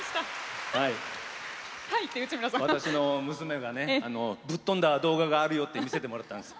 私の娘がぶっとんだ動画があるよって見せてもらったんです。